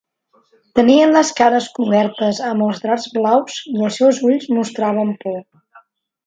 Tenien les cares cobertes amb els draps blaus, i els seus ulls mostraven por.